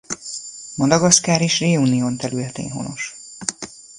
Madagaszkár és Réunion területén honos.